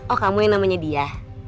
oh kamu yang namanya dia